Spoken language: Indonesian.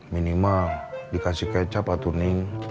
minimal dikasih kecap atau ning